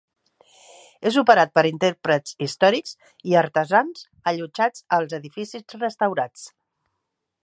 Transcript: És operat per intèrprets històrics i artesans allotjats als edificis restaurats.